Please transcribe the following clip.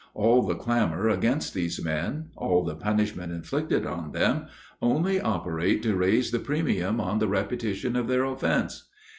All the clamour against these men, all the punishment inflicted on them, only operate to raise the premium on the repetition of their offence.